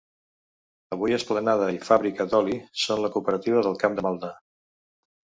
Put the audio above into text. Avui esplanada i fàbrica d'oli són de la Cooperativa del Camp de Maldà.